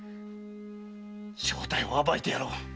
正体を暴いてやろう！